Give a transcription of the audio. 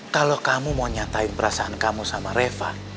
kalau kamu mau nyatain perasaan kamu sama reva